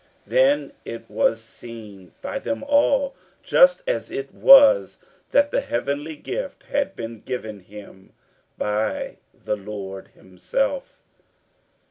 Then it was seen by them all, just as it was, that the heavenly gift had been given him by the Lord himself.